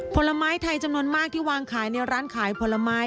ผลไม้ไทยจำนวนมากที่วางขายในร้านขายผลไม้